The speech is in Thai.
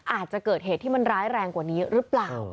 อาจจะเกิดเหตุที่มันร้ายแรงกว่านี้หรือเปล่า